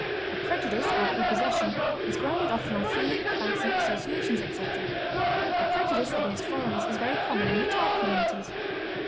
A prejudice or prepossession is grounded often on feeling, fancy, associations, etc. A prejudice against foreigners is very common in retired communities.